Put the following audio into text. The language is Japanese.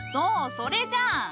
それじゃ。